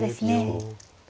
そうですね。